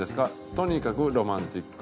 「とにかくロマンティック」